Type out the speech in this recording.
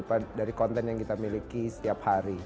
jadi kita bisa mengalirkan konten yang kita miliki setiap hari